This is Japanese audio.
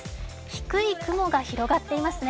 低い雲が広がっていますね。